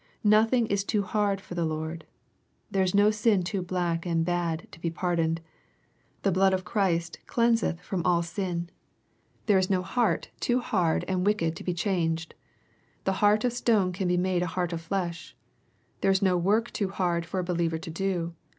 Nothing is too hard for the Lord There is no sin too black and bad to be pardoned. The blood of Christ cleanseth from all sin. — There is no LUKE« CHAP. I. a heart too hard and wicked to be changed. The heart of stone can be made a heart of flesh. — There is no work too hard for a believer to do.